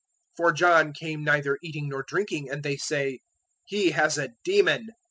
011:018 "For John came neither eating nor drinking, and they say, `He has a demon.'